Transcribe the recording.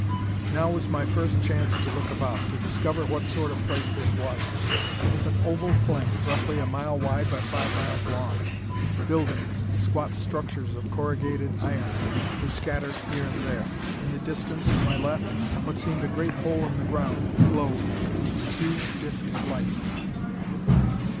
Now was my first chance to look about, to discover what sort of place this was. It was an oval plain, roughly a mile wide by five miles long. Buildings, squat structures of corrugated iron, were scattered here and there. In the distance, to my left, what seemed a great hole in the ground glowed; a huge disk of light.